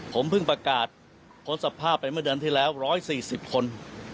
ผมเพิ่งประกาศพ้นสภาพไปเมื่อเดือนที่แล้ว๑๔๐คน